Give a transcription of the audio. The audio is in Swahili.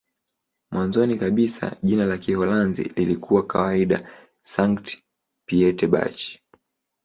Mwanzoni kabisa jina la Kiholanzi lilikuwa kawaida "Sankt-Pieterburch".